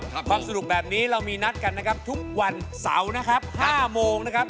วันนี้เรามีนัดกันทุกวันเสาร์นะครับ๕โมงนะครับ